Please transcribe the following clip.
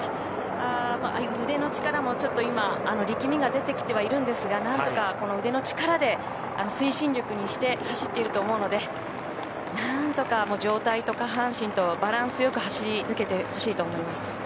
腕の力もちょっと今力みが出てきてはいるんですが何とかこの腕の力で推進力にして走っていると思うので何とか上体と下半身とバランスよく走り抜けてほしいと思います。